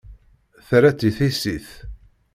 Terra-tt i tissit.